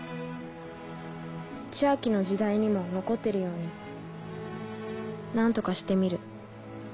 千昭の時代にも残ってるように何とかしてみる。